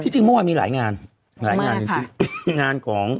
ซึ่งเมื่อวันนี้ยังมีหลายหลายงาน